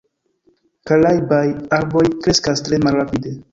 Karajbaj arboj kreskas tre malrapide.